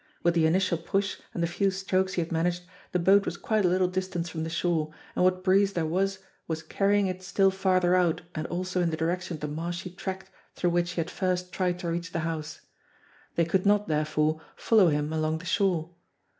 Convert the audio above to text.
With the initial push, and tht few strokes he had managed, the boat was quite a little dis^ tance from the shore, and what breeze there was was carry* ing it still farther out and also in the direction of the marshy tract through which he had first tried to reach the house, They could not, therefore, follow him along the shore.